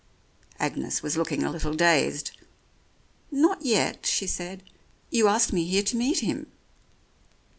Agnes was looking a little dazed. "Not yet," she said. "You asked me here to meet him."